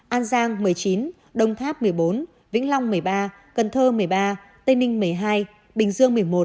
an giang một mươi chín đông tháp một mươi bốn vĩnh long một mươi ba cần thơ một mươi ba tây ninh một mươi hai bình dương một mươi một